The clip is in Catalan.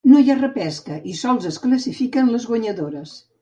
No hi ha repesca i sols es classifiquen les guanyadores.